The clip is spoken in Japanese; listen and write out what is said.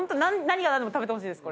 何が何でも食べてほしいです。